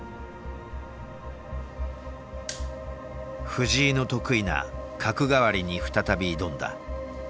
藤井の得意な角換わりに再び挑んだ。